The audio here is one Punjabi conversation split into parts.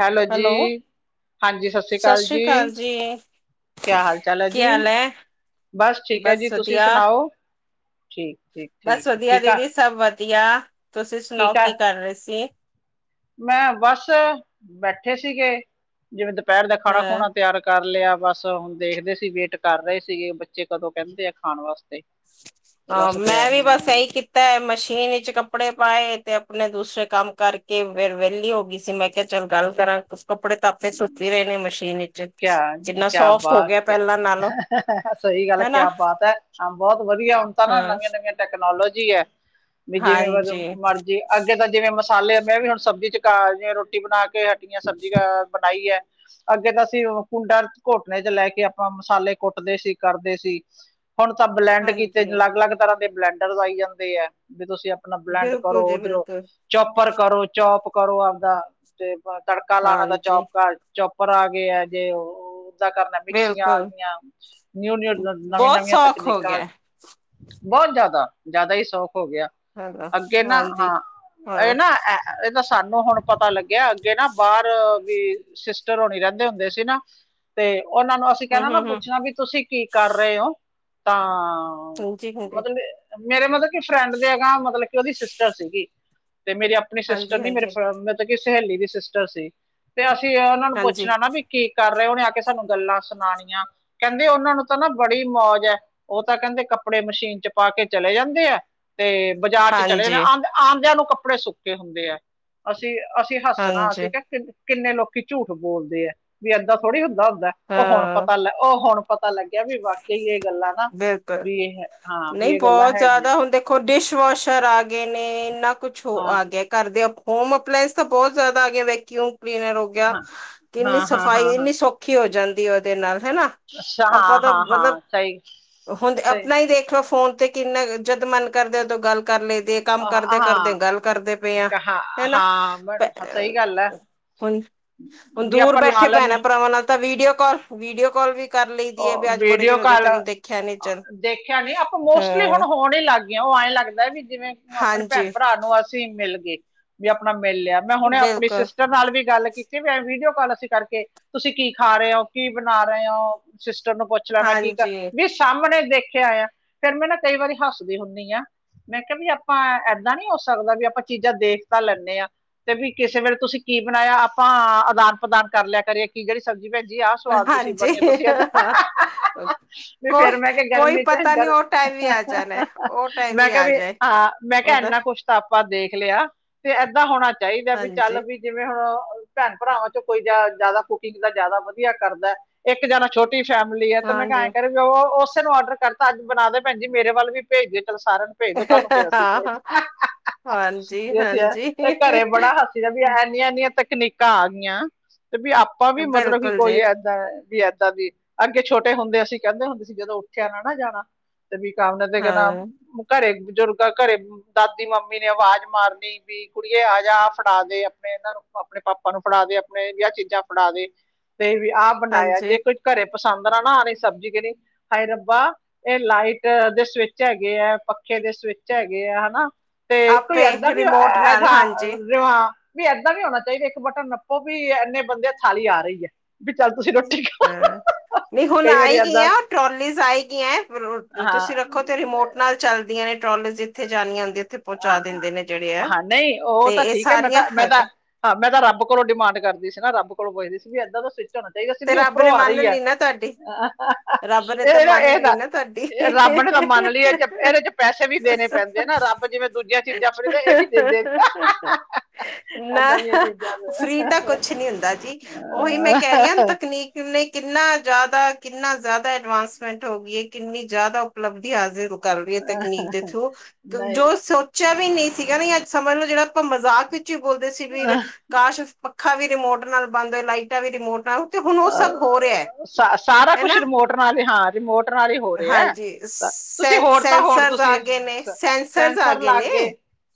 ਹੈਲੋ ਜੀ ਹਾਂਜੀ ਸਤਿ ਸ੍ਰੀ ਅਕਾਲ ਜੀ। ਕਿਆ ਹਾਲ ਚਾਲ ਹੈ ਕੀ ਜੀ ਹਾਲ ਹੈ? ਬਸ ਠੀਕ ਹੈ ਜੀ ਤੁਸੀਂ ਸੁਣਾਉ। ਬਸ ਵਧੀਆ ਦੀਦੀ ਸਭ ਵਧੀਆ ਤੁਸੀਂ ਸੁਣਾਉ ਕੀ ਕਰ ਰਹੇ ਸੀ। ਮੈਂ ਬਸ ਬੈਠੇ ਸੀਗੇ ਜਿਵੇਂ ਦ ਦੁਪਹਿਰ ਦਾ ਖਾਣਾ ਹਾਂ, ਖੁਣਾ ਤਿਆਰ ਕਰ ਲਿਆ। ਬਸ ਹੁਣ ਦੇਖਦੇ ਸੀ ਵੇਟ ਕਰ ਰਹੇ ਸੀਗੇ ਬੱਚੇ ਕਦੋਂ ਕਹਿੰਦੇ ਨੇ ਖਾਣ ਵਾਸਤੇ ਤੇ ਹਾਂ ਬਸ ਤਿਆਰ ਮੈਂ ਵੀ ਹੀ ਬਸ ਆ। ਇਹੀ ਕੀਤਾ ਮਸ਼ੀਨ ਵਿੱਚ ਕੱਪੜੇ ਪਾਏ ਤੇ ਅਪਨੇ ਦੂਸਰੇ ਕੰਮ ਕਰਕੇ, ਫੇਰ ਵੇਹਲੀ ਹੋ ਗਈ ਸੀ ਮੈਂ ਕਿਹਾ ਚੱਲ ਗੱਲ ਕਰਾਂ, ਕੱਪੜੇ ਤਾਂ ਤੇ ਸੁੱ [unintelligible] ਰਹਿ ਨੀ ਮਸੀ਼ ਕਿਆ ਕਿਆ ਬਾਤ ਕ, ਪਹਿਲਾਂ ਨਾਲੋਂ ਸਹੀ ਗੱਲ ਹਨਾ ਕਿਆ ਬਾਤ ਹੈ, ਬਹੁਤ ਵਧੀ ਭੀ ਏ ਹੁਨ ਤੇ ਨਾ ਹਾਂ ਨਵੀਆਂ ਨਵੀਆਂ ਟੈਕਨੋਲੋਜੀ ਏ, ਵੀ ਜਿਵੇਂ ਹਾਂਜੀ ਮਰਜ਼ੀ, ਅੱਗੇ ਤਾਂ ਜਿਵੇਂ ਮਸੀ ਹਾਲੇ [unintelligible] ਬੀ ਹੁਣ ਸਬਜ਼ੀ ਚੋ [unintelligible] ਰੋਟੀ ਬਣਾ ਕੇ ਹਟੀਆਂ ਸਬਜ਼ੀ ਬਣਾਈ ਹੈ ਅੱਗੇ ਤਾਂ ਅਸੀਂ, ਕੁੰਡਾ ਘੋਟਨੇ ਚ ਲੈ ਕੇ ਅਪਨਾ ਮਸਾਲੇ ਕੁੱਟਦੇ ਸੀ, ਕਰਦੇ ਸੀ। ਹੁਣ ਤਾਂ ਬਲੈਂਡ ਕੀਤੇ ਹਾਂਜੀ ਅਲੱਗ ਅਲੱਗ ਤਰ੍ਹਾਂ ਦੇ ਬਲੈਂਡਰ ਆਈ ਜਾਂਦੇ ਆ ਤੇ ਤੁਸੀਂ ਅਪਨਾ ਬਲੈਂਡ ਬਿਲਕੁਲ ਕਰੋ ਜੀ ਉੱਧਰੋਂ ਬਿਲਕੁਲ ਚੋਪਰ ਕਰੋ ਚੋਪ ਕਰੋ ਆਪਦਾ, ਤੇ ਤੜਕਾ ਲਾਨਾ ਤਾ ਹਾਂਜੀ ਚੌਪ ਚੋਪਰ ਆ ਗਏ ਆ, ਜੇ ਉਹ ਦਾ ਕਰਨਾ, ਮਿਕਸੀਆਂ ਆ ਬਿਲਕੁਲ ਗੀਆਂ, ਨਿਊ ਨਿਊ ਨਵੀਂ ਬਹੁਤ ਨਵੀਆਂ ਸੌਖ ਹੋ ਤਕਨੀਕਾਂ ਗਿਆ ਬਹੁਤ ਜ਼ਿਆਦਾ, ਜ਼ਆਦਾ ਈ ਸੋਖ ਹੋ ਗਿਆ, ਹੈਗਾ ਅੱਗੇ ਨਾ, ਹਾਂਜੀ ਹਾਂ ਹਾਂ ਇਹ ਨਾ ਇਹ ਤਾਂ ਸਾਨੂੰ ਹੁਣ ਪਤਾ ਲੱਗਿਆ ਅੱਗੇ ਨਾ ਬਾਹਰ ਵੀ ਸਿਸਟਰ ਹੋਣੀ ਰਹਿੰਦੇ ਹੁੰਦੇ ਸੀ ਨਾ, ਤੇ ਉਹਨਾਂ ਨੂੰ ਅਸੀਂ ਹੂੰ ਕਹਿਨਾ ਨਾ ਹੂੰ ਹੂੰ ਪੁੱਛਨਾ ਵੀ ਤੁਸੀਂ ਕੀ ਕਰ ਰਹੇ ਹੋ, ਤਾਂ ਹਾਂਜੀ ਹਜੇ ਮਤਲਬ ਮੇਰੇ ਵੱਲੋ [unintelligible] ਫਰੈਂਡ ਦੇ ਅਗਾਹ ਮਤਲਬ ਕਿ ਉਹਦੀ ਸਿਸਟਰ ਸੀਗੀ। ਤੇ ਮੇਰੀ ਅਪਨੀ ਸਿਸਟਰ ਹਾਂਜੀ ਨੀ ਮੇਰੇ ਹਾਂਜੀ ਮਤਲਬ ਕਿ ਮੇਰੀ ਸਹੇਲੀ ਦੀ ਸਿਸਟਰ ਸੀ, ਤੇ ਅਸੀਂ ਆ ਹਾਂਜੀ ਪੁੱਛਨਾ ਨਾ ਵੀ ਕੀ ਕਰ ਤੇ ਉਹਨੇ ਆ ਕੇ ਸਾਨੂੰ ਗੱਲਾਂ ਸੁਣਾਣੀਆਂ, ਕਹਿੰਦੇ ਉਹਨਾਂ ਨੂੰ ਤਾਂ ਨਾ ਬੜੀ ਮੌਜ ਹੈ, ਉਹ ਤਾਂ ਕਹਿੰਦੇ ਕੱਪੜੇ ਤੇ ਮਸ਼ੀਨ ਚ ਪਾ ਕੇ ਚਲੇ ਜਾਂਦੇ ਆ ਤੇ ਬਾਜ਼ਾਰ ਚ ਚਲੇ, ਹਾਂਜੀ ਆਨ ਆ ਆਦਿਆਂ ਨੂੰ ਕੱਪੜੇ ਸੁੱਕੇ ਹੁੰਦੇ ਆ, ਅਸੀਂ ਅਸੀਂ ਹੱਸਨਾ ਹਾਂਜੀ ਅਸੀਂ ਕ ਕਿੰਨੇ ਲੋਕੀ ਝੂਠ ਬੋਲਦੇ ਏ ਭੀ ਏਦਾਂ ਥੋੜ੍ਹੀ ਹੁੰਦਾ ਲੈ ਉਹ ਹੁਣ ਪਤਾ ਲੈ, ਉਹ ਹੁਣ ਪਤਾ ਲੱਗਿਆ ਵੀ ਵਾਕਈ ਇਹ ਗੱਲਾਂ ਨਾ ਬਿਲਪ ਵੀ ਇਹ ਹਾਂ ਵੀ ਨਹੀਂ ਇਹ ਗੱਲਾਂ ਬੋਹਤ ਹੈਗੀਆਂ ਜ਼ਿਆਦਾ ਹੁਨ ਦੇਖੋ ਡਿਸ਼ ਪਸ਼ਰ ਆ ਗੇ ਨੇ ਇੰਨਾ ਕੁਛ ਹੋ, ਹਾਂ ਆ ਗਿਆ ਘਰ ਦੇ ਹੋਮ ਅਪਲਾਇੰਸ ਤੇ ਬਹੁਤ ਜ਼ਿਆਦਾ ਆ ਗੇ, ਵੈਕਿਉਮ ਕਿਵੇ ਰੋਗਿਆ, ਹਾਂ ਕਿੰਨੀ ਹਾਂ ਹਾਂ ਸਫ਼ਾਈ ਹਾਂ ਹਾਂ ਇੰਨੀ ਸੌਖੀ ਹੋ ਜਾਂਦੀ ਉਹਦੇ ਨਾਲ ਅੱਛਾ, ਹਾਂ ਪਦਵ ਹਾਂ ਬਲਵ, ਹਾਂ ਸਹੀ ਹੁੰਨ ਸਹੀ ਅਪਨਾ ਹੀ ਦੇਖ ਲਓ ਫੋਨ ਤੇ ਕਿੰਨਾ ਜਦ ਮਨ ਕਰਦੇ ਉਦੋਂ ਗੱਲ ਕਰਨੇ ਦੇ ਕੰਮ ਕਰਦੇ ਕਰਦੇ ਹਾਂ ਗੱਲ ਕਰਦੇ ਪਏ ਆ, ਕਹਾ ਹੈਨਾ ਹਾਂ ਬ- ਸਹੀ ਗੱਲ ਹੈ ਹੁਨ, ਹੁਨ ਵੀ ਦੂਰ ਆਪਾਂ ਲਾ ਬੈਠੇ ਪੈਨਾ, ਲੈਂਦੇ ਭਰਾਵਾਂ ਨਾਲ ਤਾਂ ਵੀਡੀਓ ਕੋਲ, ਵੀਡੀਓ ਕੋਲ ਵੀ ਕਰ ਲਈ [unintelligible] ਭੀ ਅੱਜ ਬੜੇ ਦਿਨ ਵੀਡੀਓ ਹੋਗੇਏ, ਕਾਲ ਤੈਨੂੰ ਦੇਖਿਆ ਨੀ ਚੱਲ ਦੇਖਿਆ ਨਹੀ ਆਪਾਂ ਮੋਸਟਲੀ ਹੁਣ ਹਾਂ ਹੋਣ ਈ ਲੱਗ ਗੀਆ, ਉਹ ਐਂ ਲੱਗਦਾ ਵੀ ਜਿਵੇਂ ਅਪਨੇ ਹਾਂਜੀ ਭੈਨ ਭਰਾ ੳ ਅਸੀਂ ਮਿਲ ਗਏ, ਭੀ ਅਪਨਾ ਮਿਲ ਲਿਆ ਮੈਂ ਹੁਣੇ ਅਪਨੀ ਬਿਲਕੁਲ ਸਿਸਟਰ ਨਾਲ ਵੀ ਗੱਲ ਕੀਤੇ [unintelligible] ਹੈ ਵੀਡੀਓ ਕਾਲ ਅਸੀਂ ਕਰਕੇ, ਤੁਸੀਂ ਕੀ ਖਾ ਰਹੇ ਹੋ, ਕੀ ਬਣਾ ਰਹੇ ਹੋ, ਸਿਸ ਜ [unintelligible] ਨੂੰ ਪੁੱਛ ਲੈਣਾ ਕੀ ਕਰ, ਹਾਂਜੀ ਵੀ ਸਾਹਮਨੇ ਦੇਖਿਆ ਆ, ਫੇਰ ਮੈਂ ਨਾ ਕਈ ਵਾਰੀ ਹੱਸਦੀ ਹੁੰਨੀ ਆਂ ਮੈਂ ਕਿਹਾ ਵੀ ਆਪਾਂ ਏਦਾਂ ਨੀ ਹੋ ਸਕਦਾ ਵੀ, ਆਪਾਂ ਚੀਜ਼ਾਂ ਦੇਖ ਤਾਂ ਲੈਂਨੇ ਆ, ਤੇ ਵੀ ਕਿਸੇ ਵੇਲੇ ਤੁਸੀਂ ਕੀ ਬਣਾਇਆ, ਆਪਾਂ ਆਦਾਨ ਪ੍ਰਦਾਨ ਕਰ ਲਿਆ ਕਰੇ, ਕੀ ਕਿਹੜੀ ਸਬਜ਼ੀ ਭੈਣ ਜੀ ਆਹ ਸਵਾਦ ਤੁਸੀਂ ਬਣੀ? ਜਦ। ਅ। ਤੇ ਫੇਰ ਮੈਂ ਕਿਹਾ, ਗਰਮੀ ਚ ਗਰ, ਵੀ ਆ ਜਾਣਾ ਹੈ ਉਹ ਟਾਈਮ ਮੈਂ ਕਿਹਾ ਆ ਵੀ ਜਾਏ ਹਾਂ, ਮੈਂ ਕਿਹਾ। ਉਹਦਾ ਇੰਨਾ ਕੁਛ ਤਾਂ ਆਪਾਂ ਦੇਖ ਲਿਆ ਤੇ ਏਦਾਂ ਹੋਣਾ ਚਾਹੀਦਾ ਹੈ। ਵੀ ਚੱਲ ਹਾਂਜੀ ਵੀ ਜਿਵੇਂ। ਹਾਂ, ਭੈਣ ਭਰਾਵਾਂ ਚੋਂ ਕੋਈ ਜ਼ਿਆਦਾ ਕੁਕਿੰਗ ਦਾ ਜ਼ਿਆਦਾ ਵਧੀਆ ਕਰਦਾ ਇੱਕ ਜਨਾ। ਛੋਟੀ ਫੈਮਲੀ ਏ ਤੇ ਮੈਂ ਕਿਹਾ ਹਾਂਜੀ ਆਏ ਕਰੇ, ੳ ੳਹ ਉਸੇ ਨੂੰ ਆਰਡਰ ਕਰਤਾ ਅੱਜ ਬਨਾ ਦੇ ਭੈਨਜੀ, ਮੇਰੇ ਵੱਲ ਵੀ ਭੇਜਦੇ। ਚੱਲ ਸਾਰਿਆਂ ਨੂੰ ਭੇਜ ਦੋ, ਕੱਲ ਨੂੰ ਹਾਂ ਫੇਰ ਅਸੀਂ ਭੇਜ, ਹਾਂ ਹਾਂਜੀ ਜੇ ਅਸੀਂ ਇਹ, ਹਾਂਜੀ ਇਹ ਘਰੇ ਬੜਾ ਹਾਸੀ। ਵੀ ਏਨੀਆਂ ਏਨੀਆਂ ਤਕਨੀਕਾਂ ਆ ਗਈਆਂ ਤੇ ਵੀ ਆਪਾਂ ਵੀ ਮਤਲਬ ਕੀ ਬਿਲਕੁਲ ਜੀ ਕੋਈ ਏਦਾਂ। ਵੀ ਏਦਾਂ ਦੀ, ਅੱਗੇ ਛੋਟੇ ਹੁੰਦੇ ਅਸੀਂ ਕਹਿੰਦੇ ਹੁੰਦੇ ਸੀ ਜਦੋਂ ਉੱਠਿਆਂ ਨਾ ਨਾ ਜਾਨਾ। ਤੇ ਵੀ ਕੰਮ ਨੇ ਤੇ ਕਹਿਣਾ ਹਾਂ ਉਹ ਘਰੇ। ਜੁਰਗਾ ਘਰੇ ਦਾਦੀ ਮੰਮੀ ਨੇ ਅਵਾਜ਼ ਮਾਰਨੀ ਵੀ, ਕੁੜੀਏ ਆ ਜਾ, ਆ ਫੜਾ ਦੇ ਅਪਨੇ ਇਹਨਾਂ ਨੂੰ। ਆਪਣੇ ਪਾਪਾ ਨੂੰ ਫੜਾ ਦੇ ਆਪਣੇ ਵੀ ਆ ਚੀਜ਼ਾਂ ਫੜਾ ਦੇ ਤੇ ਵੀ ਆਹ ਬਣਾਇਆ। ਹਾਂਜੀ ਜੇ ਕੁਝ ਘਰੇ ਪਸੰਦ ਨਾ- ਨਾ ਆਵੇ ਸਬਜ਼ੀ ਕਿਹੜੀ ਹਾਏ ਰੱਬਾ ਇਹ ਲਾਈਟ ਦੇ ਸਵਿੱਚ ਹੈਗੇ ਹੈ। ਪੱਖੇ ਦੇ ਸਵਿੱਚ ਹੈਗੇ ਆ ਹਨਾ ਤੇ ਕੋਈ ਆਪੇ ਏਦਾਂ ਵੀ ਰਿਮੋਟ ਅਹ ਨਾਲ ਹਾਂਜੀ ਹਾ। ਵੀ ਏਦਾਂ ਵੀ ਹੋਣਾ ਚਾਹੀਦਾ ਹੈ। ਇੱਕ ਬਟਨ ਨੱਪੋ ਵੀ ਇੰਨੇ ਬੰਦੇ ਥਾਲੀ ਆ ਰਹੀ ਹੈ ਵੀ ਚੱਲ ਤੁਸੀਂ ਰੋਟੀ ਖਾਓ ਹਾਂ। ਨਹੀਂ ਹੁਣ ਕਈ ਵਾਰੀ ਆਏ ਏਦਾਂ ਗੀਆ ਉਹ ਟਰੋਲੀਜ਼ ਆਏ ਗੀਆਂ ਹਾਂ ਤੁਸੀਂ ਰੱਖੋ ਤੇ ਰਿਮੋਟ ਨਾਲ ਚਲਦੀਆਂ ਨੇ। ਟਰੋਲੀਜ ਜਿੱਥੇ ਜਾਣੀਆਂ ਹੁੰਦੀਆਂ ਉੱਥੇ ਪਹੁੰਚਾ ਹਾਂ, ਦਿੰਦੇ ਨੇ ਜਿਹੜੇ ਆ ਹਾਂ ਨਹੀਂ ਉਹ ਤੇ ਤਾਂ ਇਹ ਠੀਕ ਹੈ ਮੈਂ ਸਾਰੀਆਂ ਤਾਂ ਮੈਂ ਤਾਂ ਹੈਗੇ। ਹਾਂ ਮੈਂ ਤਾਂ ਰੱਬ ਕੋਲ ਡਿਮਾਂਡ ਕਰਦੀ ਸੀ ਨਾ ਰੱਬ ਕੋਲੋਂ ਪੁੱਛਦੀ ਸੀ ਵੀ ਇੱਦਾਂ ਦਾ ਸਵਿੱਚ ਹੋਣਾ ਚਾਹੀਦਾ ਸੀ ਤੇ ਸਿੱਧੀ ਰੱਬ ਨੇ ਉੱਪਰੋਂ ਆ ਮੰਨ ਰਹੀ ਹੈ ਲਈ ਨਾ ਤੁਹਾਡੀ ਰੱਬ ਨੇ [inaudible] ਇਹ ਤਾਂ ਮੰਨ ਲਈ ਇਹਦਾ ਨਾ ਰੱਬ ਬਟ ਇਹਦਾ ਮੰਨ ਲਈਏ ਇਹਦੇ 'ਚ ਤੁਹਾਡੀ ਪੈਸੇ ਵੀ ਦੇਣੇ ਪੈਂਦੇ ਆ ਨਾ ਰੱਬ ਜਿਵੇਂ ਦੂਜੀਆਂ ਚੀਜ਼ਾਂ ਆਪਾਂ ਨੂੰ ਦਿੰਦਾ ਇਹ ਵੀ ਦਿੰਦੇ ਨਾ ਇਦਾਂ ਦੀ [inaudible] ਚੀਜ਼ਾਂ ਫ੍ਰਰੀ ਤਾਂ ਦੇ ਕੁਛ ਨੀ ਹੁੰਦਾ ਜੀ। ਉਹੀ ਮੈਂ ਕਹਿ ਰਹੀ ਹਾਂ [inaudible] ਤਕਨੀਕ ਨੇ ਕਿੰਨਾ ਜ਼ਿਆਦਾ ਕਿੰਨਾ ਜ਼ਿਆਦਾ ਐਡਵਾਂਸਮੈਂਟ ਹੋ ਗਈ ਹੈ ਕਿੰਨੀ ਜ਼ਿਆਦਾ ਉਪਲਬਧੀ ਹਾਜ਼ਰ ਹੋ ਕਰ ਰਹੀ ਹੈ ਅਹ ਤਕਨੀਕ ਦੇ ਥਰੂ ਨਹੀਂ ਜੋ ਸੋਚਿਆ ਵੀ ਨਹੀਂ ਸੀਗਾ ਨਹੀਂ ਅੱਜ ਸਮਝ ਲੋ ਜਿਹੜਾ ਆਪਾਂ ਮਜ਼ਾਕ ਵਿੱਚ ਹੀ ਬੋਲਦੇ ਸੀ ਵੀ ਕਾਸ਼ ਅੱਖਾਂ ਵੀ ਰਿਮੋਟ ਨਾਲ ਬੰਨਦਾ ਹੈ ਲਾਈਟਾਂ ਵੀ ਰਿਮੋਟ ਨਾਲ ਤੇ ਹੁਣ ਉਹ ਸਭ ਹੋ ਰਿਹਾ ਹੈ। ਉਹ ਸ ਸਾਰਾ ਹਨਾ ਕੁਛ ਰਿਮੋਟ ਨਾਲ ਹੀ ਹਾਂ ਰਿਮੋਟ ਨਾਲ ਹੀ ਹੋ ਰਿਹਾ ਹਾਂਜੀ ਹੈ ਤੁਸੀਂ ਸੈਂ ਹੋਰ ਤਾਂ ਹੋਰ ਸੈਂਸਰਸ ਦੱਸੋ। ਆ ਗਏ ਨੇ ਫੇਰ ਸੈਂਸਰਸ ਆ ਸੈਂਸਰ ਲਾਗੇ ਨੇ ਗਏ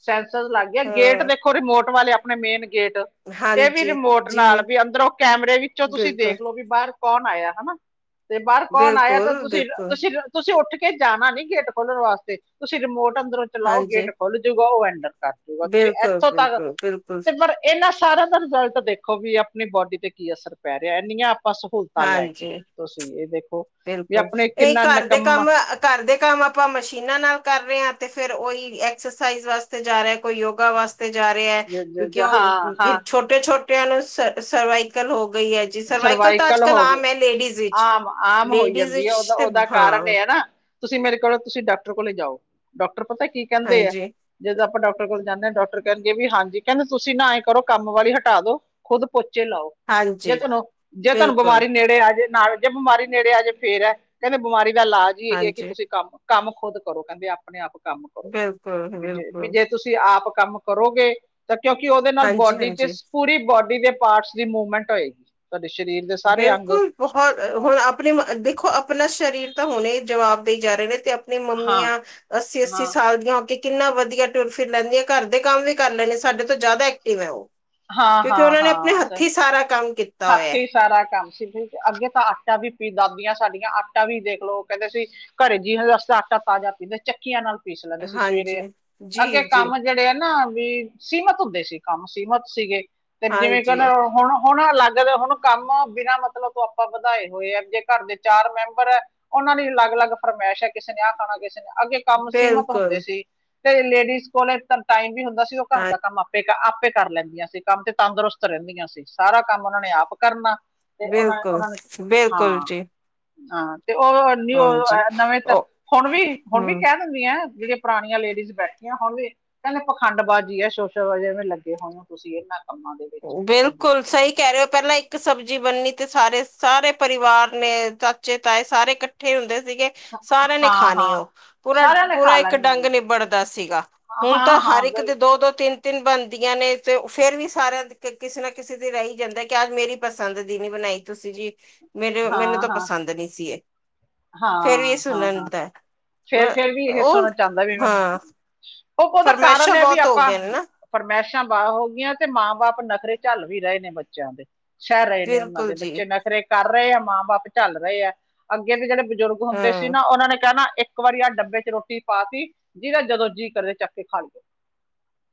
ਸੈਂਸਰ ਲਾਗੇ ਗਏ। ਗੇਟ ਹਾਂ ਦੇਖੋ ਰਿਮੋਟ ਵਾਲੇ ਆਪਣੇ ਮੇਨ ਗੇਟ ਤੇ ਇਹ ਵੀ ਹਾਂਜੀ ਰਿਮੋਟ ਨਾਲ ਜੀ ਵੀ ਅੰਦਰੋਂ ਕੈਮਰੇ ਵਿੱਚੋਂ ਤੁਸੀਂ ਬਿਲਕੁਲ ਦੇਖਲੋ ਵੀ ਬਾਹਰ ਬਾਹਰ ਕੌਣ ਆਇਆ ਹਨਾ ਤੇ ਬਾਹਰ ਕੌਣ ਆਇਆ ਤਾਂ ਬਿਲਕੁਲ ਤੁਸੀਂ ਬਿਲਕੁਲ ਤੁਸੀਂ ਤੁਸੀਂ ਉੱਠ ਕੇ ਕੇ ਜਾਣਾ ਨੀ ਗੇਟ ਖੋਲਣ ਵਾਸਤੇ ਤੁਸੀਂ ਰਿਮੋਟ ਅੰਦਰੋਂ ਚਲਾਓ ਹਾਂਜੀ ਗੇਟ ਖੋਲ ਜੂਗਾ ਉਹ ਅੰਦਰ ਕਰ ਜੂਗਾ ਤੁਸੀਂ ਬਿਲਕੁਲ ਇੱਥੋਂ ਤੱਕ, ਬਿਲਕੁਲ ਬਿਲਕੁਲ ਤੇ ਪਰ ਇਹਨਾਂ? ਸਾਰਿਆਂ ਦਾ ਰਿਜ਼ਲਟ ਦੇਖੋ ਵੀ ਆਪਣੀ ਬੋਡੀ ਤੇ ਕੀ ਅਸਰ ਪੈ ਰਿਹਾ ਹੈ ਇੰਨੀਆਂ ਆਪਾਂ ਸਹੂਲਤਾਂ ਲੈ ਕੇ ਹਾਂਜੀ ਤੁਸੀਂ ਇਹ ਦੇ ਬਿਲਕੁਲ ਇਹ ਘਰ ਦੇ ਕੰਮ ਘਰ ਦੇ ਕੰਮ ਆਪਾਂ ਮਸ਼ੀਨਾਂ ਨਾਲ ਕਰ ਰਹੇ ਹਾਂ। ਤੇ ਫੇਰ ਉਈ ਐਕਸਰਸਾਈਜ਼ ਵਾਸਤੇ ਜਾ ਰਿਹਾ ਹੈ ਕੋਈ ਯੋਗਾ ਵਾਸਤੇ ਤੇ ਜਾ ਰਹੇ ਹੈ ਜ- ਜ- ਕਿਉਂਕਿ ਜ- ਹਾਂ ਉਹ ਹਾਂ ਛੋਟੇ ਛੋਟਿਆਂ ਨੂੰ ਸਰਵਾਈਕਲ ਹੋ। ਹੋ ਗਈ ਹੈ ਜੀ ਸਰਵਾਈਕਲ ਤਾਂ ਅੱਜ ਕੱਲ ਆਮ ਹੈ ਲੇਡੀਜ਼ ਵਿੱਚ ਉਹ ਤਾਂ ਹੋਈ ਲੇਡੀਜ਼ ਜਾਂਦੀ ਵਿੱਚ ਹੈ। ਉਹਦਾ ਤੇ ਉਹਦਾ ਕਾਰਨ ਹਾਂ ਇਹ ਹੈ। ਨਾ ਤੁਸੀਂ ਮੇਰੇ ਕੋਲ ਤੁਸੀਂ ਡਾਕਟਰ ਕੋਲ ਜਾਓ ਡਾਕਟਰ ਡਾਕਟਰ ਪਤਾ ਕੀ ਕਹਿੰਦੇ ਆ ਹਾਂਜੀ ਜਦੋਂ ਆਪਾਂ ਡਾਕਟਰ ਡਾਕਟਰ ਕੋਲ ਜਾਣੇ ਹਾਂ ਡਾਕਟਰ ਕਹਿਣਗੇ ਵੀ ਹਾਂਜੀ ਕਹਿੰਦੇ ਤੁਸੀਂ ਨਾ ਆਏ ਕਰੋ ਕੰਮ ਵਾਲੀ ਹਟਾ ਦੋ ਖੁਦ ਪੋਚ ਪੋਚੇ ਲਾਓ ਜੇ ਹਾਂਜੀ ਤੁਹਾਨੂੰ ਜੇ ਤੁਹਾਨੂੰ ਬਿਲਕੁਲ ਬਿਮਾਰੀ ਨੇੜੇ ਆ ਜੇ ਨਾਲ ਜੇ ਬਿਮਾਰੀ ਨੇੜੇ ਆ ਜੇ ਫੇਰ ਹੈ ਕਹਿੰਦੇ ਬਿਮਾਰੀ ਦਾ ਇਲਾਜ ਹੀ ਇਹ ਹੈ ਕਿ ਹਾਂਜੀ ਤੁਸੀਂ ਕੰਮ ਕੰਮ ਖੁਦ ਕਰੋ ਕਹਿੰਦੇ ਆਪਣੇ ਆਪ ਕੰਮ ਕਰੋ ਬਿਲਕੁਲ ਵੀ ਜੇ ਬਿਲਕੁਲ ਜੇ ਤੁਸੀਂ ਆਪ ਕੰਮ ਕਰੋਗੇ ਤਾਂ ਕਿਉਂਕਿ ਉਹਦੇ ਨਾਲ ਹਾਂਜੀ ਬੋਡੀ 'ਚ ਹਾਂਜੀ ਪੂਰੀ ਬੋਡੀ ਦੇ ਪਾਰਟਸ ਦੀ ਮੂਵਮੈਂਟ ਹੋਏਗੀ ਪਰ ਬਿਲਕੁਲ ਬਹੁਤ ਹੁਣ ਆਪਣੇ ਦੇਖੋ ਆਪਣਾ ਸਰੀਰ ਤਾਂ ਹੁਣੇ ਈ ਜਵਾਬ ਦੇਈ ਜਾ ਰਏ ਨੇ ਤੇ ਆਪਣੀ ਹਾਂ ਮੰਮੀਆਂ ਅੱਸੀ -ਅੱਸੀ ਹਾਂ, ਸਾਲ ਦੀਆਂ ਹੋ ਕੇ ਕਿੰਨਾ ਵਧੀਆ ਟੁਰ ਫਿਰ ਲੈਂਦੀਆ ਘਰ ਦੇ ਕੰਮ ਵੀ ਕਰ ਲੈਣੀ ਸਾਡੇ ਤੋਂ ਜ਼ਾਦਾ ਐਕਟਿਵ ਐ ਓ। ਹਾਂ, ਕਿਉਂਕਿ ਹਾਂ, ਉਨਾਂ ਨੇ ਆਪਣੇ ਹਾਂ ਸ ਹੱਥੀਂ ਸਾਰਾ ਕੰਮ ਕੀਤਾ ਹੱਥ ਹੋਇਆ। ਹੀ ਸਾਰਾ ਕੰਮ ਸੀ ਅੱਗੇ ਤਾਂ ਆਟਾ ਵੀ ਪੀ ਦਾਦੀਆਂ ਸਾਡੀਆਂ ਆਟਾ ਵੀ ਵਖ ਲਓ ਕਹਿੰਦੇ ਸੀ ਘਰੇ ਜੀ ਵਾਸਤੇ ਆਟਾ ਤਾਜ਼ਾ ਪੀਂਦੇ ਚੱਕੀਆਂ ਨਾਲ ਪੀਸ ਲੈਂਦੇ ਹੈ। ਸੀ ਸਵੇਰੇ ਹਾਂਜੀ ਜੀ ਅੱਗੇ ਜੀ ਕੰਮ ਜੇੜੇ ਆ ਨਾ ਵੀ ਸੀਮਤ ਹੁੰਦੇ ਸੀ ਕੰਮ ਸੀਮਿਤ ਸੀਗੇ ਤੇ ਜਿਵੇਂ ਹਾਂਜੀ ਕਹਿੰਦੇ ਹੁਣ ਹੁਣ ਅਲੱਗ ਹੁਣ ਕੰਮ ਬਿਨਾਂ ਮਤਲਬ ਤੋਂ ਆਪਾਂ ਵਧਾਏ ਹੋਏ ਆ ਜੇ ਘਰ ਦੇ ਚਾਰ ਮੈਂਬਰ ਆ ਉਨਾਂ ਦੀ ਵੀ ਅਲੱਗ ਅਲੱਗ ਫਰਮ ਮੈਸ਼ ਆ ਕਿਸੇ ਨੇ ਆ ਖਾਣਾ ਕਿਸੇ ਨੇ ਅੱਗੇ ਕੰਮ ਸੀਮਤ ਹੁੰਦੇ ਬਿਲਕੁਲ ਸੀ ਤੇ ਲੇਡੀਜ਼ ਕੋਲੇ ਇਕ ਤਾਂ ਟਾਈਮ ਵੀ ਹੁੰ ਦਾ ਸੀ ਓ ਘਰ ਹਾਂ ਦਾ ਕੰਮ ਆਪੇ ਆਪੇ ਕਰ ਲੈਂਦ ਦੀਆਂ ਸੀ ਕੰਮ ਤੇ ਤੰਦਰੁਸਤ ਰੇਂਦੀਆਂ ਸੀ ਸਾਰਾ ਕੰਮ ਉਨਾਂ ਨੇ ਆਪ ਕਰਨਾ। ਤੇ ਓ ਨੇ ਬਿਲਕੁਲ ਉਨਾਂ ਨੇ ਬਿਲਕੁਲ ਹਾਂ। ਜੀ ਹਾਂ ਤੇ ਓ ਨਿਉ ਹਾਂਜੀ ਅ ਨਵੇਂ ਤਾਂ ਉਹ ਹੁਣ ਵੀ -ਹੁਣ ਵੀ ਹਮ ਕਹਿ ਦਿੰਦੀਆਂ। ਜੇੜੀਆਂ ਪਰਾਣੀਆਂ ਲੇਡੀਜ਼ ਬੈਠੀਆਂ ਹੁਣ ਵੀ ਕੇਂਦੇ ਪਖੰਡ ਬਾਜ਼ੀ ਐ ਸ਼ੋਸ਼ਲ ਐਵੇਂ ਲੱਗੇ ਹੋਏ ਆਂ। ਤੁਸੀਂ ਇਨਾਂ ਬਿਲਕੁਲ ਸਈ ਕੈ ਰੇ ਹੋ ਪਰ ਨਾ ਇੱਕ ਸਬਜ਼ੀ ਬਣਨੀ ਤੇ ਸਾਰੇ-ਸਾਰੇ ਪਰਿਵਾਰ ਨੇ ਚਾਚੇ, ਤਾਏ ਸਾਰੇ ਕੱਠੇ ਹੁੰਦੇ ਸੀਗੇ ਸ- ਸਾਰਿਆਂ ਨੇ ਹਾਂ ਖਾਣੀ ਹਾਂ ਓ ਸਾਰਿਆਂ ਨੇ ਪੂਰਾ-ਪੂਰਾ ਖਾ ਇੱਕ ਲੈਣੇ ਡੰਗ ਨਿਬੜਦਾ ਸੀਗਾ ਆ। ਹੁਣ ਤਾਂ ਹਾਂ ਹਰ ਹਾਂ ਇੱਕ ਬਿਲ ਦੇ ਦੋ-ਦੋ, ਤਿੰਨ-ਤਿੰਨ ਬਣਦੀਆਂ ਨੇ ਤੇ ਫੇਰ ਵੀ ਸਾਰਿਆਂ ਤੇ ਕਿਸੇ ਨਾ ਕਿਸੇ ਤੇ ਰੈ ਈ ਜਾਂਦਾ ਕਿ ਅੱਜ ਮੇਰੀ ਪਸੰਦ ਦੀ ਨੀ ਬਣਾਈ ਤੁਸੀ ਜੀ। ਮੇਰੇ ਮੈਨੂੰ ਤਾਂ ਪਸੰਦ ਨੀ ਸੀ ਏ। ਹਾਂ-ਹਾਂ, ਹਾਂ ਫੇਰ-ਫੇਰ ਵੀ ਇਹ ਉਹ ਸੁੰਡਣ ਚ ਆਂਦਾ ਹਾਂ [unintelligible] ਓ ਉਦਾ ਕਾਰਨ ਫਰਮਾਇਸ਼ਾਂ ਏ ਵੀ ਬਹੁਤ ਹੋ ਆਪਾਂ ਗਈਆਂ ਨੇ ਨਾ ਫਰਮੈਸ਼ ਬਾਅ ਹੋਗੀਆਂ ਤੇ ਮਾਂ ਬਾਪ ਨਖਰੇ ਝੱਲ ਵੀ ਰਏ ਨੇ ਬੱਚਿਆਂ ਦੇ। ਸਇ ਰਏ ਨੇ ਉਨਾਂ ਬਿਲਕੁਲ ਦੇ, ਜੀ ਬੱਚੇ ਨਖਰੇ ਕਰ ਰਏ ਆ ਮਾਂ ਬਾਪ ਝੱਲ ਰਏ ਆ ਅੱਗੇ ਅਸੀ ਕੇੜਾ ਬਜ਼ੁਰਗ ਹੁੰਦੇ ਸੀ ਹਮ ਨਾ ਉਨਾਂ ਨੇ ਕਹਨਾ ਏਕ ਵਾਰੀ ਆਹ ਡੱਬੇ ਚ ਰੋਟੀ ਪਾਤੀ ਜੀਦਾ ਜਦੋਂ ਜੀਅ ਕਰੇ ਚੱਕ ਕੇ ਖਾ ਲਈਓ।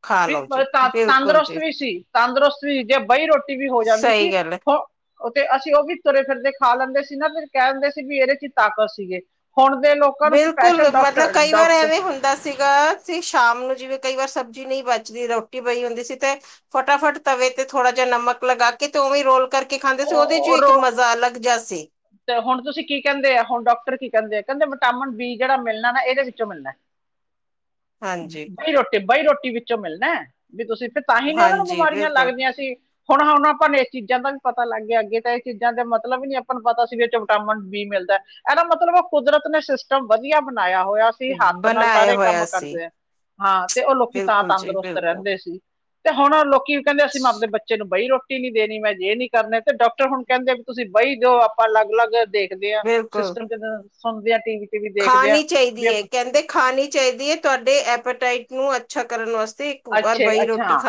ਖਾ ਵੀ ਲਓ ਜੀ ਤੰਦ ਬਿਲਕੁਲ ਤੰਦਰੁਸਤ ਜੀ ਵੀ ਸੀ। ਤੰਦਰੁਸਤ ਵੀ ਜੇ ਬਈ ਰੋਟੀ ਵੀ ਹੋ ਜਾਂਦੀ ਸਹੀ ਸੀ ਗੱਲ ਹੈ ਹੋ ਉ ਤੇ ਅਸੀਂ ਓ ਵੀ ਤੁਰੇ ਫਿਰਦੇ ਖਾ ਲੈਂਦੇ ਸੀ ਨਾ ਫੇਰ ਕਹਿ ਦਿੰਦੇ ਸੀ ਵੀ ਏਦੇ ਚ ਤਾਕਤ ਸੀਗੇ। ਹੁਣ ਦੇ ਲੋਕਾਂ ਨੂੰ ਬਿਲਕੁਲ ਸਪੈਸ਼ਲ ਮਤਲਬ ਡਾਕਟਰ ਕਈ ਵਾਰ ਡਾਕਟਰ ਐਵੇਂ ਹੁੰਦਾ ਸੀਗਾ ਅਸ ਸ਼ਾਮ ਨੂੰ ਜਿਵੇਂ ਕਈ ਵਾਰ ਸਬਜ਼ੀ ਨਈ ਬਚਦੀ ਰੋਟੀ ਬਈ ਹੁੰਦੀ ਸੀ ਤੇ ਫਟਾਫਟ ਤਵੇ ਤੇ ਥੋੜਾ ਜਿਆ ਨਮਕ ਲਗਾ ਕੇ ਤੇ ਓਵੇਂ ਰੋਲ ਕਰਕੇ ਖਾਂਦੇ ਸੀ ਉਦੇ ਉਹ ਚ ਉਹ ਇੱਕ ਰੋ- ਮਜ਼ਾ ਅਲੱਗ ਜਿਆ ਸੀ। ਤੇ ਹੁਣ ਤੁਸੀਂ ਕੀ ਕੇਂਦੇ ਆ ਹੁਣ ਡਾਕਟਰ ਕੀ ਕੇਂਦੇ ਆ ਕੇਂਦੇ ਵਿਟਾਮਿਨ ਬੀ ਜੇੜਾ ਮਿਲਣਾ ਨਾ ਏਦੇ ਵਿੱਚੋਂ ਮਿਲਣਾ। ਹਾਂਜੀ ਬਈ ਰੋਟੀ, ਬਾਈ ਰੋਟੀ ਵਿੱਚੋਂ ਮਿਲਣਾ ਵੀ ਤੁਸੀ ਤਾਂ ਹੀ ਨਾ ਉਨਾਂ ਨੂੰ ਹਾਂਜੀ ਬਿਮਾਰੀਆਂ ਬਿਲਕੁਲ ਲੱਗਦੀਆਂ ਸੀ ਹੁਣ, ਹੁਣ ਆਪਾਂ ਨੇ ਏਸ ਚੀਜ਼ਾਂ ਦਾ ਵੀ ਪਤਾ ਲੱਗ ਗਿਆ ਅੱਗੇ ਤਾਂ ਏ ਚੀਜ਼ਾਂ ਦੇ ਮਤਲਬ ਵੀ ਨੀ ਆਪਾਂ ਨੂੰ ਪਤਾ ਸੀ ਵੀ ਏਸ ਚੋ ਵਿਟਾਮਿਨ ਬੀ ਮਿਲਦਾ। ਏਦਾ ਮਤਲਬ ਕੁਦਰਤ ਕੁਦਰਤ ਨੇ ਸਿਸਟਮ ਵਧੀਆ ਬਣਾਇਆ ਹੋਇਆ ਸੀ ਹੱਥ ਨਾਲ ਬਣਾਏ ਸਾਰੇ ਕੰਮ ਹੋਇਆ ਸੀ ਕਰਦੇ ਆ ਹਾਂ ਤੇ ਓ ਲੋਕੀ ਤਾਂ ਬਿਲਕੁਲ ਜੀ ਤੰਦਰੁਸਤ ਬਿਲਕੁਲ ਰੇਂਦੇ ਸੀ ਤੇ ਹੁਣ ਲੋ ਕੀ ਕੇਂਦੇ ਸੀ ਅਸੀ [unintelligible] ਬੱਚੇ ਨੂੰ ਬਈ ਰੋ ਰੋਟੀ ਨੀ ਦੇਣੀ ਮੈਂ ਜੇ ਨੀ ਕਰਨਾ ਤੇ ਡਾਕਟਰ ਹੁਣ ਕੇਂਦੇ ਵੀ ਤੁਸੀਂ ਬਈ ਦਿਓ ਆਪਾ ਅਲਗ-ਅਲਗ ਦੇ ਦਿਆ ਬਿਲਕੁਲ ਸਿਸਟਮ ਕਿਦਾ ਸੁਣਦੇ ਆ ਟੀ ਵੀ ਤੇ ਵੀ ਦੇਖਦੇ ਆ ਖਾਣੀ ਚਾਈਦੀ ਵੀ ਏ ਕੇਂਦੇ ਖਾਣੀ ਚਾਈਦੀ ਏ ਤੁਆਡੇ ਐਪਟਾਈਟ ਨੂੰ ਅੱਛਾ ਕਰਨ ਵਾ ਅੱਛੇ ਅੱਛਾ।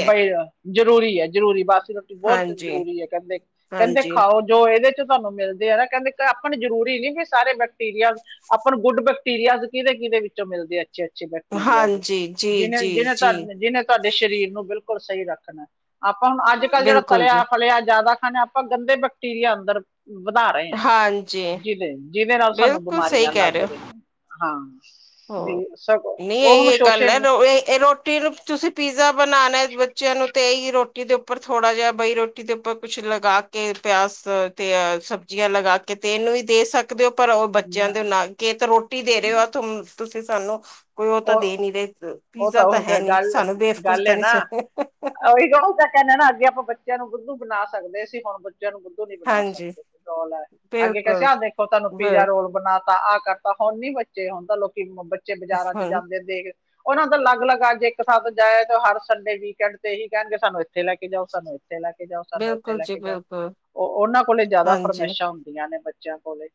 ਹੈ ਬਈ ਰੋ-ਜ਼ਰੂਰੀ ਐ ਜਰੂਰੀ ਐ ਬਾਸੀ ਰੋਟੀ ਬੋਤ ਹਾਂਜੀ ਜ਼ਰੂਰੀ ਐ ਕੇਂਦੇ ਕੇਂਦੇ ਹਾਂਜੀ ਖਾਓ ਜੋ ਏਦੇ ਤੁਨੂੰ ਮਿਲਦੇ ਆ ਨਾ ਕੇਂਦੇ ਆਪਣ ਜ਼ਰੂਰੀ ਨੀ ਵੀ ਸਾਰੇ ਬੈਕਟੀਰੀਆ ਆਪਾਂ ਨੂੰ ਗੁੱਡ ਬਕ ਬੈਕਟੀਰੀਅਜ ਕੀਦੇ-ਕੀਦੇ ਵਿੱਚੋਂ ਮਿਲਦੇ ਅੱਛੇ-ਅੱਛੇ ਬੈਕਟੀਰੀਅਜ। ਹਾਂਜੀ ਜੀ ਜੀ ਜਿਨੇ-ਜਿਨੇ ਜੀ ਤਾਡੇ ਜਿਨੇ ਤਾਡੇ ਸ਼ਰੀਰ ਨੂੰ ਬਿਲਕੁਲ ਸਈ ਰੱਖਨੇ। ਆਪਾਂ ਹੁਣ ਅੱਜ ਕੱਲ੍ਹ ਜੇੜਾ ਬਿਲਕੁਲ ਜੀ ਤਲਿਆ-ਫਲਿਆ ਜ਼ਾਦਾ ਖਾਂਣੇ ਆਪਾਂ ਗੰਦੇ ਬੈਕਟੀਰੀਆ ਅੰਦਰ ਵਧਾ ਰਏ ਆ ਹਾਂਜੀ ਜਿਦੇ-ਜਿਦੇ ਨਾਲ ਸਾਨੂੰ ਬਿਲਕੁਲ ਸਹੀ ਬਿਮਾਰੀਆਂ ਕਹਿ ਲੱਗ ਰਹੇ ਰਈਆ। ਹੋ ਨਹੀਂ ਉਹ ਹੁਣ ਇਹ ਇਹ ਸ਼ੋਸ਼ੇ ਗੱਲ ਹੈ ਇਹ ਇਹ ਰੋਟੀ ਨੂੰ ਤੁਸੀਂ ਪੀਜ਼ਾ ਬਣਾਣਾ ਬੱਚਿਆਂ ਨੂੰ ਤੇ ਇਹੀ ਰੋਟੀ ਦੇ ਉੱਪਰ ਥੋੜਾ ਜਿਹਾ ਬਈ ਰੋਟੀ ਦੇ ਉ ਕੁਛ ਲਗਾ ਕੇ ਪਿਆਸ ਤੇ ਸਬਜ਼ੀਆਂ ਲਗਾ ਕੇ ਤੇ ਇਹਨੂੰ ਵੀ ਦੇ ਸਕਦੇ ਹੋ। ਪਰ ਉਹ ਬੱਚਿਆਂ ਦੇ ਨਾਲ ਕੇਤ ਰੋਟੀ ਦੇ ਰਹੇ ਹੋ ਆ ਤੁਸੀਂ ਸਾਨੂੰ। ਕੋਈ ਉਹ ਤਾਂ ਦੇ ਨੀ ਰਹੇ ਉਹ ਪੀਜ਼ਾ ਤਾਂ ਉਹ ਹੈ ਗ- ਨੀ ਗੱਲ ਸਾਨੂੰ ਬੇਫਕੁਸ ਗੱਲ ਤਾਂ ਹੈ ਨੀ ਨਾ ਸੁ ਤਾਂ ਕਹਿੰਦੇ ਨਾ ਅੱਗੇ ਆਪਾਂ ਬੱਚਿਆਂ ਨੂੰ ਬੁੱਧੂ ਬਣਾ ਸਕਦੇ ਸੀ ਹੁਣ ਨੂੰ ਬੁੱਧੂ ਨੀ ਬਣਾ ਹਾਂਜੀ ਸਕਦੇ ਰੋਲ ਹੈ ਅੱਗੇ ਕੈ ਬਿਲਕੁਲ ਹਾਂ ਦੇਖੋ ਤੁਹਾਨੂੰ ਪੀਜ਼ਾ ਬਿਲ- ਰੋਲ ਬਣਾ ਤਾਂ ਆਹ ਕਰਤਾ ਹੁਣ ਨੀ ਬੱਚੇ ਹੁਣ ਤਾਂ ਲੋਕੀ ਬੱਚੇ ਬਾਜ਼ਾਰਾਂ ਚ ਹਾਂ, ਜਾਂਦੇ ਦੇਖ ਉਹਨਾਂ ਦਾ ਅਲੱਗ-ਅਲੱਗ ਅੱਜ ਇੱਕ ਸਥ ਜਾਇ ਤੇ ਉਹ ਹਰ ਸੰਡੇ ਵੀਕਐਂਡ ਤੇ ਇਹੀ ਕਹਿਣਗੇ ਸਾਨੂੰ ਇੱਥੇ ਲੈ ਕੇ ਜਾਓ ਸਾਨੂੰ ਇਥੇ ਲੈ ਕੇ ਜਾਓ ਸਾਨੂੰ ਇੱਥੇ ਬਿਲਕੁਲ ਲੈ ਜੀ ਕੇ ਜਾਓ ਬਿਲਕੁਲ ਉਹ ਉਹਨਾਂ ਕੋਲੇ ਜਿਆਦਾ ਹਾਂਜੀ ਫਰਮੈਸ਼ਾਂ ਹੁੰਦੀਆਂ ਨੇ। ਚਿਆਂ ਕੋਲੇ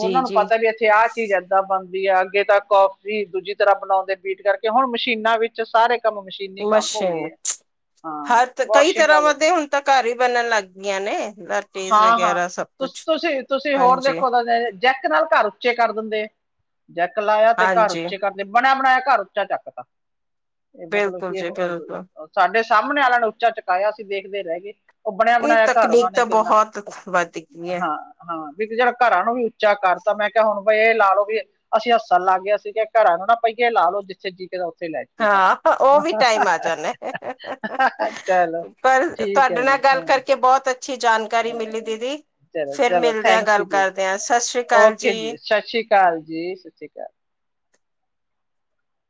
ਜੀ ਨੂੰ ਜੀ ਪਤਾ ਵੀ ਇੱਥੇ ਆਹ ਚੀਜ਼ ਏਦਾਂ ਬਣਦੀ ਆ ਅੱਗੇ ਤੱਕ ਕੌਫੀ ਦੂਜੀ ਤਰ੍ਹਾਂ ਬਣਾਉਂਦੇ ਪੀਟ ਕਰਕੇ ਹੁਣ ਮਸ਼ੀਨਾਂ ਵਿੱਚ ਸਾਰੇ ਕੰਮ ਮਸ਼ੀਨੀ ਕੰਮ ਹੋ ਗਏ ਆ [unintelligible] ਹਾਂ ਹਰ ਤ ਕਈ ਵਾਸ਼ਿੰਗ ਤਰਾਵਾਂ ਵਾਲੇ ਦੇ ਹੁਨ ਤਾ ਘਰ ਹੀ ਬਨਨ ਲੱਗ ਗਿਆਂ ਨੇ। ਲਟੇਜ਼ ਹਾਂ, ਹਾਂ ਵਗੈਰਾ ਸਭ ਤੁ ਕੁਛ ਤੁਸੀ, ਤੁਸੀ ਹੋਰ ਹਾਂਜੀ ਦੇਖੋ [unintelligible] ਜੈਕ ਨਾਲ ਘਰ ਉੱਚੇ ਕਰ ਦਿੰਦੇ, ਜੈਕ ਲਾਏਆ ਤੇ ਘਰ ਹਾਂਜੀ ਉੱਚੇ ਕਰਦੇ ਬਨੇਆ ਬਨਾਆ ਘਰ ਉੱਚਾ ਚੱਕਤਾ, ਏ ਮਤਲਬ ਬਿਲਕੁਲ ਕਿ ਜੀ ਬਿਲਕੁਲ ਅ‌‌ ਸਾਡੇ ਸਾਮਨੇ ਵਾਲੇਆਂ ਨੇ ਉਚਾ ਚੁਕਾਏਆ ਅਸੀਂ ਵੇਖਦੇ ਰੇਗੇ, ਓ ਬਨਆ ਇਹ ਬਨਾਆ ਘਰ ਉਨਾਂ ਤਕਨੀਕ ਨੇ ਤਾਂ ਕਿੰਨਾ ਬਹੁਤ ਵੱਧ ਗਈ ਹੈ ਹਾਂ, ਹਾਂ ਵਿੱਚ ਜੇੜਾ ਘਰਾਂ ਨੂੰ ਵੀ ਉਚਾ ਕਰਤਾ ਮੈਂ ਕੇਆ ਹੁਨ ਏਹ ਲਾਓ ਵੀ ਅਸੀ ਹੱਸਣ ਲੱਗ ਗੇ ਅਸੀ ਕੇਆ ਘਰਾਂ ਨੂੰ ਨਾ ਪਈਏ ਲਾ ਲਓ ਜਿੱਥੇ ਜੀ ਕਰੇ ਓ ਹਾਂ, ਓ ਵੀ ਟਾਈਮ ਆ ਜਾਂਨਾ, ਚਲੋ ਪਰ ਠੀਕ ਤਾਡੇ ਹੈ ਨਾਲ ਜੀ ਗੱਲ ਕਰਕੇ ਬੋਤ ਅੱਛੀ ਜਾਨਕਾਰੀ ਮਿਲੀ ਦੀਦੀ। ਚਲੋ ਫੇਰ ਚਲੋ ਮਿਲਦੇ ਆਂ ਥੈਂਕ ਗੱਲ ਯੂ ਜੀ ਕਰਦੇ ਆਂ, ਸ਼ਾਸ਼੍ਰੀ ਕਾਲ ਜੀ। ਕਾਲ ਜੀ, ਸਸੀ ਕਾਲ।